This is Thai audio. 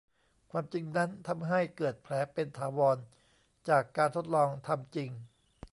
ความจริงนั้นทำให้เกิดแผลเป็นถาวรจากการทดลองทำจริง